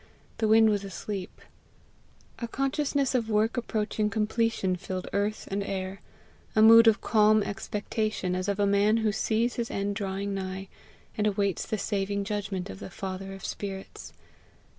The wind was asleep. A consciousness of work approaching completion filled earth and air a mood of calm expectation, as of a man who sees his end drawing nigh, and awaits the saving judgment of the father of spirits.